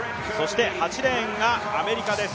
８レーンがアメリカです。